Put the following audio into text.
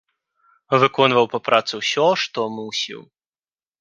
Выконваў па працы ўсё, што мусіў.